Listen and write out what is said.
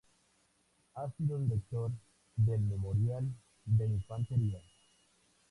Ha sido director del "Memorial de Infantería'.